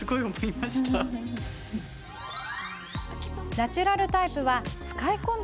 ナチュラルタイプは使い込んだ